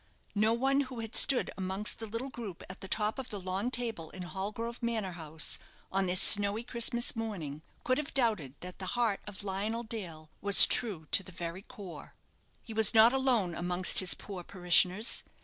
No one who had stood amongst the little group at the top of the long table in Hallgrove Manor house on this snowy Christmas morning could have doubted that the heart of Lionel Dale was true to the very core. He was not alone amongst his poor parishioners.